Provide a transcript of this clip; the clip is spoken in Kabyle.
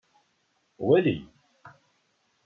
Walim!